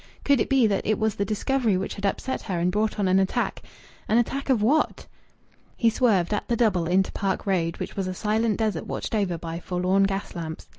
Could it be that it was this discovery which had upset her and brought on an attack?... An attack of what? He swerved at the double into Park Road, which was a silent desert watched over by forlorn gaslamps.